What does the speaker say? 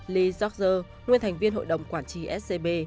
lee jogger nguyên thành viên hội đồng quản trị scb